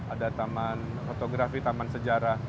ada taman fotografi taman sejarah